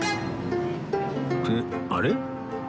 ってあれ？